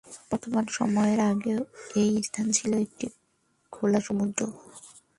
বর্তমান সময়ের আগে এ স্থান ছিল একটি খোলা সমুদ্র।